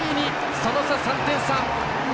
その差、３点差。